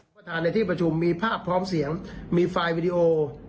ประธานในที่ประชุมมีภาพพร้อมเสียงมีไฟล์วิดีโอ